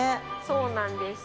そうなんです。